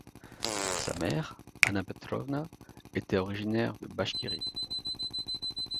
Sa mère, Anna Petrovna, était originaire de Bachkirie.